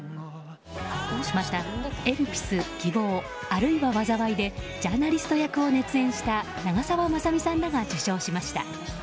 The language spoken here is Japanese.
また、「エルピス‐希望、あるいは災い‐」でジャーナリスト役を熱演した長澤まさみさんらが受賞しました。